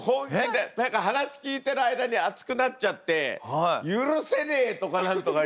何か話聞いてる間に熱くなっちゃって「許せねえ！」とか何とか言って。